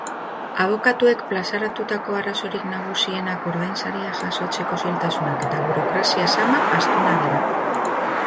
Abokatuek plazaratutako arazorik nagusienak ordainsaria jasotzeko zailtasunak eta burokrazia zama astuna dira.